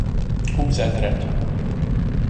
Húszezret!